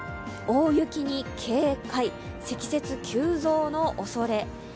大雪に警戒、積雪急増のおそれ。